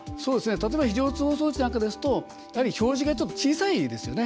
例えば非常通報装置なんかですと表示がちょっと小さいですよね。